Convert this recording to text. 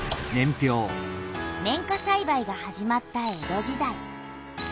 綿花さいばいが始まった江戸時代。